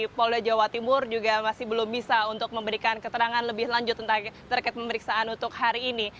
dan sebelah lanjut dari pola jawa timur juga masih belum bisa untuk memberikan keterangan lebih lanjut tentang terkait pemeriksaan untuk hari ini